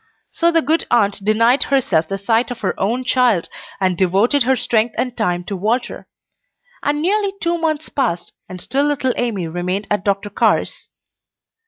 So the good aunt denied herself the sight of her own child, and devoted her strength and time to Walter; and nearly two months passed, and still little Amy remained at Dr. Carr's.